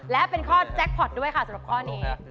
และเป็นข้อแจ็คพอร์ตด้วยค่ะสำหรับข้อนี้